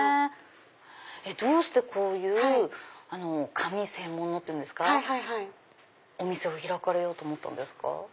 どうしてこういう紙専門のお店を開かれようと思ったんですか？